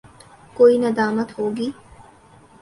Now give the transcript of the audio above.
کوئی ندامت ہو گی؟